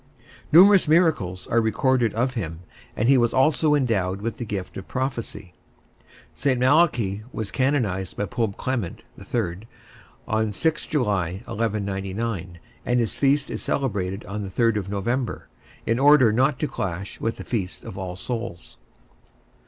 Numerous miracles are recorded of him, and he was also endowed with the gift of prophecy. St. Malachy was canonized by Pope Clement (III), on 6 July, 1199, and his feast is celebrated on 3 November, in order not to clash with the Feast of All Souls.